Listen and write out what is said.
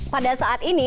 pada saat ini